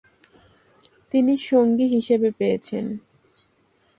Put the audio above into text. তিনি সঙ্গী হিসেবে পেয়েছেন।